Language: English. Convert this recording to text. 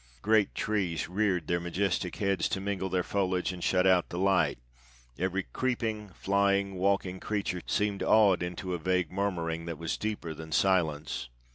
Great trees reared their majestic heads to mingle their foliage and shut out the light; every creeping, flying, walking creature seemed awed into a vague murmuring that was deeper than silence.